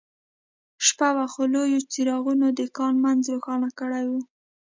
شپه وه خو لویو څراغونو د کان منځ روښانه کړی و